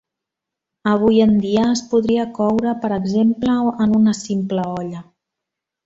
Avui en dia es podria coure, per exemple, en una simple olla.